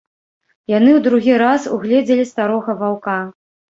Яны ў другі раз угледзелі старога ваўка.